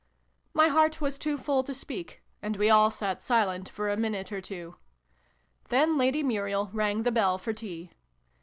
My heart was too full to speak ; and we all sat silent for a minute or two. Then Lady Muriel rang the bell for tea.